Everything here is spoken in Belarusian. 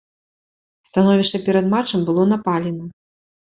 Становішча перад матчам было напалена.